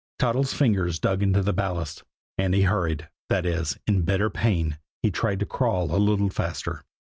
Toddles' fingers dug into the ballast, and he hurried that is, in bitter pain, he tried to crawl a little faster.